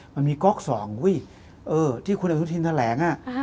มันมีก๊อก๒ที่คุณอนุทินแถลง